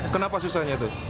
kenapa susahnya itu